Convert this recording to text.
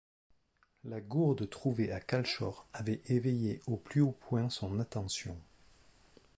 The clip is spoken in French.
La gourde trouvée à Calshor avait éveillé au plus haut point son attention.